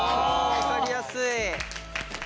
分かりやすい。